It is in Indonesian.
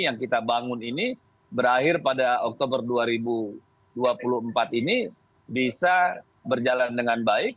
yang kita bangun ini berakhir pada oktober dua ribu dua puluh empat ini bisa berjalan dengan baik